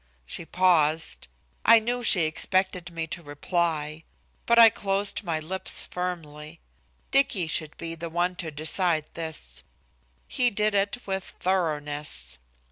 She paused. I knew she expected me to reply. But I closed my lips firmly. Dicky should be the one to decide this. He did it with thoroughness.